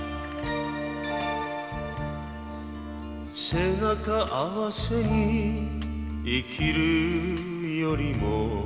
「背中あわせに生きるよりも」